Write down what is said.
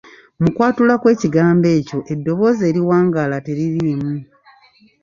Mu kwatula kw'ekigambo ekyo eddoboozi eriwangaala teririimu.